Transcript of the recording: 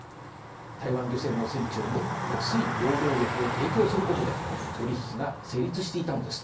台湾漁船の船長に安い労働力を提供することで取り引きが成立していたのです。